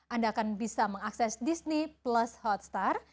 anda akan bisa mengakses disney plus hotstar